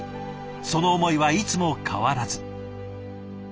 その思いはいつも変わらず。